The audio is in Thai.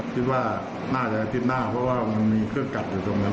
คิดว่าน่าจะอาทิตย์หน้าเพราะว่ามันมีเครื่องกัดอยู่ตรงนั้น